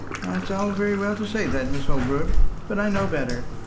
"Ah, it's all very well to say that, Mrs. Holbrook; but I know better.